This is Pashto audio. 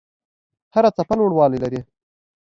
هره څپه لوړوالی لري.